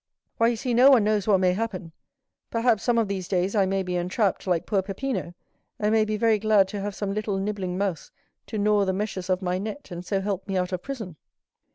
"Why, you see, no one knows what may happen. Perhaps some of these days I may be entrapped, like poor Peppino and may be very glad to have some little nibbling mouse to gnaw the meshes of my net, and so help me out of prison."